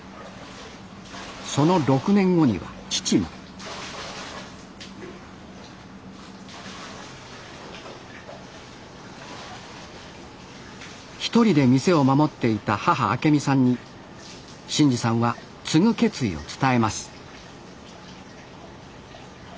その６年後には父も一人で店を守っていた母明美さんに伸二さんは継ぐ決意を伝えます